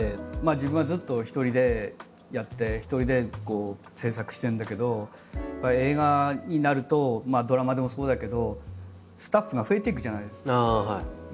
自分はずっと一人でやって一人で制作してるんだけどやっぱり映画になるとドラマでもそうだけどスタッフが増えていくじゃないですか。